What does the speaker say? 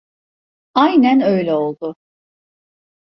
Aynen öyle oldu.